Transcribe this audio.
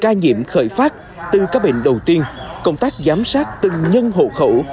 ca nhiễm khởi phát từ các bệnh đầu tiên công tác giám sát từng nhân hộ khẩu